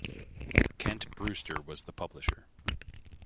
Kent Brewster was the publisher.